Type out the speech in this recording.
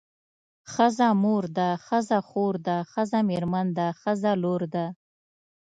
ښځه مور ده ښځه خور ده ښځه مېرمن ده ښځه لور ده.